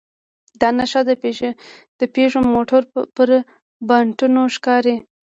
دا نښه د پيژو موټرو پر بانټونو ښکاري.